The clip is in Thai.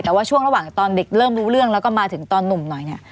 แต่ว่าช่วงระหว่างตอนเด็กเริ่มรู้เรื่องแล้วก็มาถึงตอนหนุ่มหน่อยเนี่ย